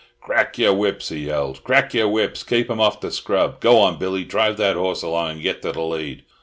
"Crack your whips!" he yelled. "Crack your whips! Keep 'em off the scrub! Go on, Billy, drive that horse along and get to the lead!"